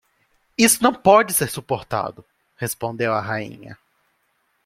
Isso não pode ser suportado! Respondeu a rainha.